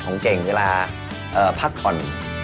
เก่งเวลาพักผ่อน